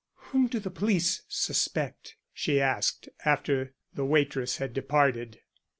"Whom do the police suspect?" she asked, after the waitress had departed.